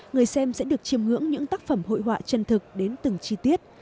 người xem sẽ được chiêm ngưỡng những tác phẩm hội họa chân thực đến từng chi tiết